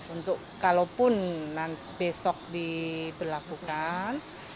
untuk kalaupun besok diberlakukan